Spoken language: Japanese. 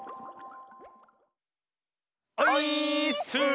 オイーッス！